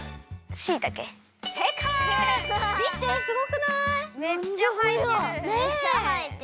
すごくない！？